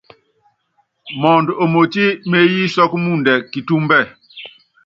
Mɔɔnd omotí meéyí sɔ́k mɔɔndɛ kitúmbɛ́.